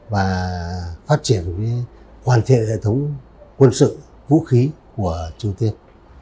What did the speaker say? và phát triển hoàn thiện hệ thống quân sự vũ khí của triều tiên